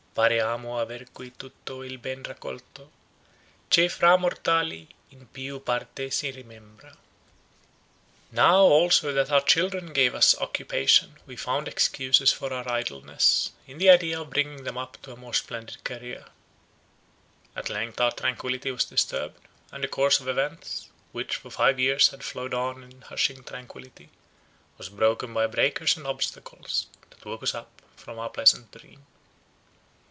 Pareamo aver qui tutto il ben raccolto Che fra mortali in più parte si rimembra. Now also that our children gave us occupation, we found excuses for our idleness, in the idea of bringing them up to a more splendid career. At length our tranquillity was disturbed, and the course of events, which for five years had flowed on in hushing tranquillity, was broken by breakers and obstacles, that woke us from our pleasant dream.